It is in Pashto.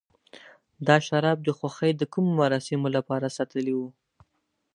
دا شراب د خوښۍ د کومو مراسمو لپاره ساتلي و.